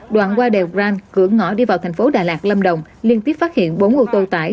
đoạn qua đèo brank cửa ngõ đi vào thành phố đà lạt lâm đồng liên tiếp phát hiện bốn ô tô tải